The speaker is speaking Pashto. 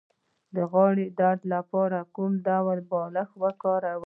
د غاړې د درد لپاره کوم ډول بالښت وکاروم؟